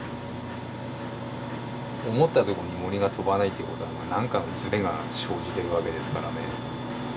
思ったとこに銛が飛ばないってことは何かのずれが生じてるわけですからね。